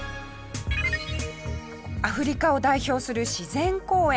アフリカを代表する自然公園